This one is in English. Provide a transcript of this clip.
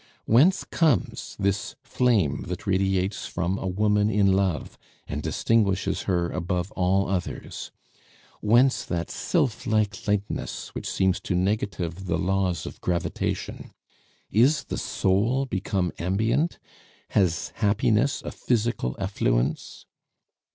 Whence comes this flame that radiates from a woman in love and distinguishes her above all others? Whence that sylph like lightness which seems to negative the laws of gravitation? Is the soul become ambient? Has happiness a physical effluence?